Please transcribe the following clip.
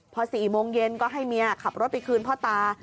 พอ๔โมงเย็นก็ให้เมียขับรถไปคืนพ่อตา